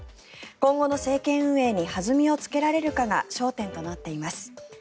今後の政権運営に弾みをつけられるかが焦点となっています。